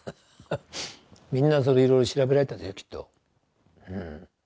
みんないろいろ調べられたでしょきっと。